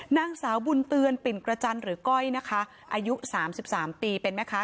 นางสาวบุญเตือนปิ่นกระจันหรือก้อยนะคะอายุสามสิบสามปีเป็นไหมคะ